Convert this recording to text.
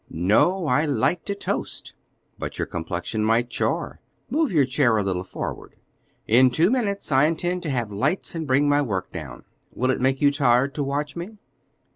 "No; I like to toast." "But your complexion might char; move your chair a little forward." "In two minutes I intend to have lights and to bring my work down. Will it make you tired to watch me?"